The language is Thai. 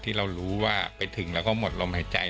ที่เรารู้ว่าไปถึงแล้วก็หมดลมหายใจ